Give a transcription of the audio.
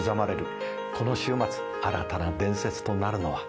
この週末新たな伝説となるのは。